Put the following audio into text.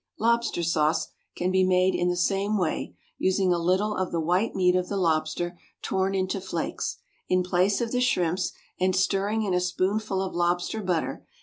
=Lobster Sauce= can be made in the same way, using a little of the white meat of the lobster torn into flakes, in place of the shrimps, and stirring in a spoonful of lobster butter.